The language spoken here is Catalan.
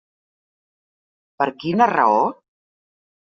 Per quina raó?